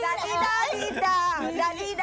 ดานี่ดาดานี่ดา